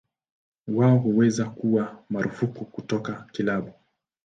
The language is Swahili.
Wao huweza kuwa marufuku kutoka kilabu.